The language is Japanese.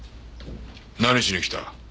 何しに来た？